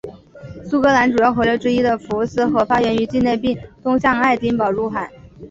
苏格兰主要河流之一的福斯河发源于境内并东向爱丁堡入海。